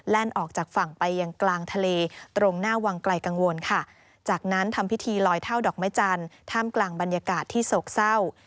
ออกจากฝั่งไปยังกลางทะเลตรงหน้าวังไกลกังวลค่ะจากนั้นทำพิธีลอยเท่าดอกไม้จันทร์ท่ามกลางบรรยากาศที่โศกเศร้า